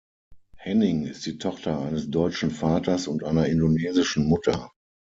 Henning ist die Tochter eines deutschen Vaters und einer indonesischen Mutter.